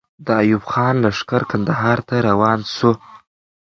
د ایوب خان لښکر کندهار ته روان سو.